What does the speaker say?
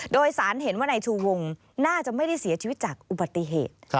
โดยสารเห็นว่านายชูวงน่าจะไม่ได้เสียชีวิตจากอุบัติเหตุ